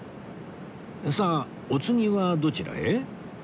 さあお次はどちらへ？